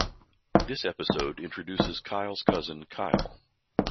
This episode introduces Kyle's cousin Kyle.